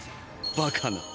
バカな。